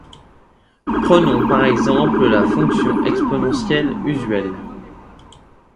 Prenons par exemple la fonction exponentielle usuelle.